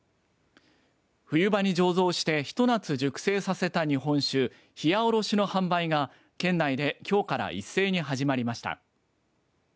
冬場に醸造してひと夏熟成させた日本酒ひやおろしの販売が県内できょうから一斉に始まりました。